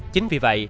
chính vì vậy